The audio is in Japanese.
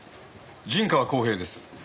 陣川公平です。